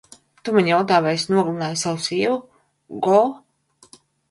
Tu man jautā, vai es nogalināju savu sievu, Go?